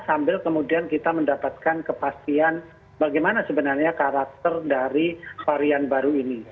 sambil kemudian kita mendapatkan kepastian bagaimana sebenarnya karakter dari varian baru ini